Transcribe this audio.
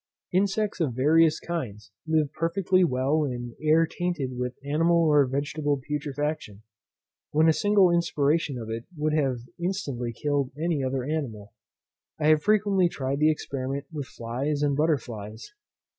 Insects of various kinds live perfectly well in air tainted with animal or vegetable putrefaction, when a single inspiration of it would have instantly killed any other animal. I have frequently tried the experiment with flies and butterflies.